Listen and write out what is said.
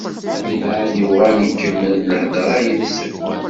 Mbeɛd yuɣal-d ikemmel lhedṛa yid-sen.